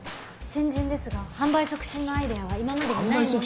新人ですが販売促進のアイデアは今までにないものを。